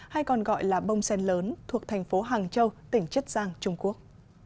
hay còn gọi là bông sen lớn thuộc thành phố hàng châu tỉnh chất giang trung quốc